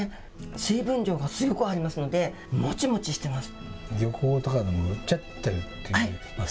水分量がすごくありますので、もちもちしてます。